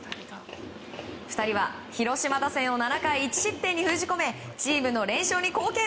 ２人は広島打線を７回１失点に封じ込めチームの連勝に貢献。